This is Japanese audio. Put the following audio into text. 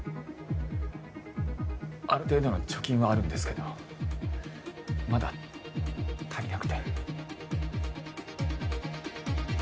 ある程度の貯金はあるんですけどまだ足りなくて。